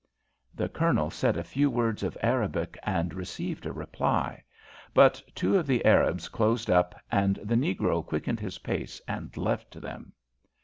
The Colonel said a few words of Arabic and received a reply, but two of the Arabs closed up, and the negro quickened his pace and left them.